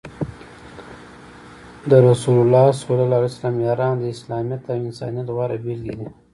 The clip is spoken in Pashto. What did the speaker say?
د رسول الله ص یاران د اسلامیت او انسانیت غوره بیلګې دي.